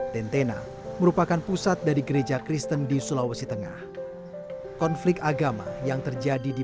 tentena merupakan pusat dari gereja kristen di sulawesi tengah konflik agama yang terjadi di